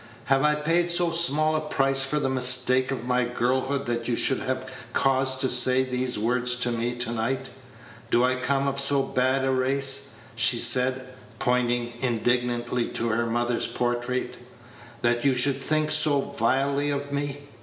Have I paid so small a price for the mistake of my girlhood that you should have cause to say these words to me to night? Do I come of so bad a race," she said, pointing indignantly to her mother's portrait, "that you should think so vilely of me?